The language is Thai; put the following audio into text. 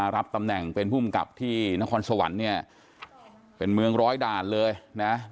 รับตำแหน่งเป็นภูมิกับที่นครสวรรค์เนี่ยเป็นเมืองร้อยด่านเลยนะ